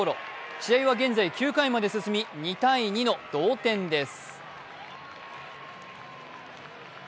試合は現在９回まで進み２−２の同点です。